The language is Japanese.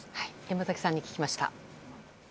山崎さんに聞きました。